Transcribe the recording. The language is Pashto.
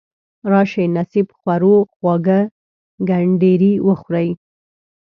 راشئ نصیب خورو خواږه کنډیري وخورئ.